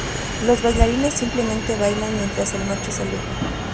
Los bailarines simplemente bailan mientras el macho se aleja.